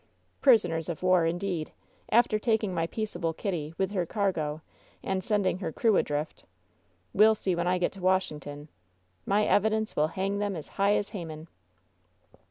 Prisoners of war, indeed, after taking my peaceable Kitty, with her cargo, and sending her crew adrift! We'll see when I get to Washington! My evidence will hang them as high as Haman!"